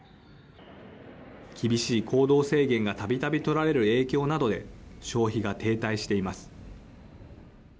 厳しい行動制限がたびたび取られる影響などで消費が停滞しています。